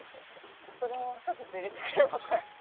それも諸説入れてくれません？